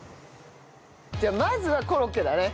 じゃあまずはコロッケだね。